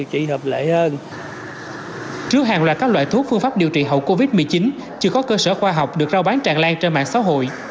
chưa có cơ sở khoa học được rau bán tràn lan trên mạng xã hội